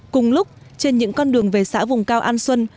cùng lúc trên những con đường về xã vùng cao an xuân